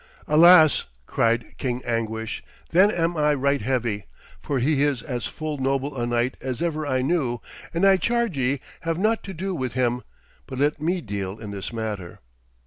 'Alas,' cried King Anguish, 'then am I right heavy, for he is as full noble a knight as ever I knew; and I charge ye, have not to do with him, but let me deal in this matter.'